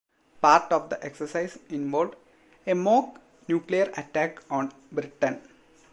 Part of the exercise involved a mock nuclear attack on Britain.